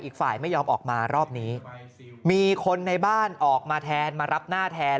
อีกฝ่ายไม่ยอมออกมารอบนี้มีคนในบ้านออกมาแทนมารับหน้าแทน